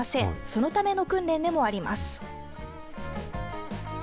そのための訓練でもあります。